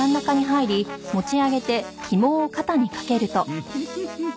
ウフフフ。